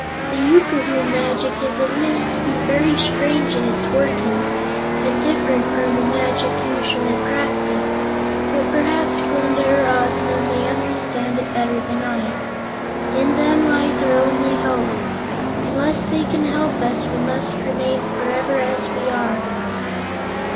The yookoohoo magic is admitted to be very strange in its workings and different from the magic usually practiced, but perhaps Glinda or Ozma may understand it better than I. In them lies our only hope. Unless they can help us, we must remain forever as we are."